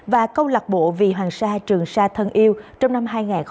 và câu lạc bộ vì hoàng sa trường sa thân yêu trong năm hai nghìn hai mươi bốn